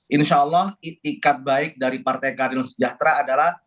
insya allah itikat baik dari partai keadilan sejahtera adalah